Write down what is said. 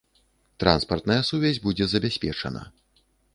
Транспартная сувязь будзе забяспечана.